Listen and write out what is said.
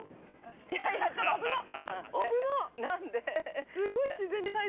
◆いやいや、ちょっと、あぶなっ！